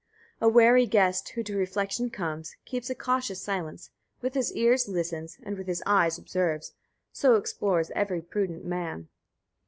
7. A wary guest, who to refection comes, keeps a cautious silence, with his ears listens, and with his eyes observes: so explores every prudent man.